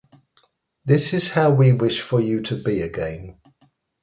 This is how we wish for you to be again.